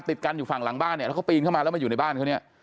ติดกันอยู่ฝั่งหลังบ้านเนี่ยแล้วเขาปีนเข้ามาแล้วมาอยู่ในบ้านเขาเนี่ย